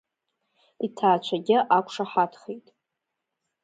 Иҭаацәагьы ақәшаҳаҭхеит.